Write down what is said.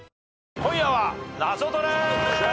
『今夜はナゾトレ』